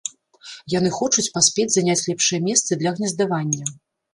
Яны хочуць паспець заняць лепшыя месцы для гнездавання.